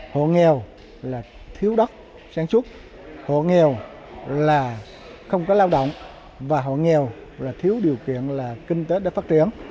hộ nghèo là thiếu đất sản xuất hộ nghèo là không có lao động và hộ nghèo là thiếu điều kiện là kinh tế đã phát triển